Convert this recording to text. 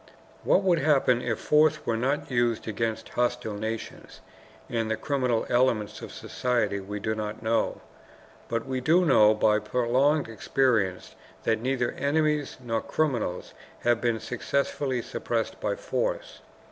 What would happen if force were not used against hostile nations and the criminal elements of society we do not know. But we do know by prolonged experience that neither enemies nor criminals have been successfully suppressed by force.